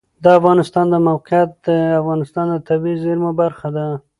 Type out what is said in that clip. د افغانستان د موقعیت د افغانستان د طبیعي زیرمو برخه ده.